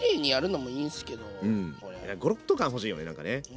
ゴロッと感ほしいよねなんかね。ね。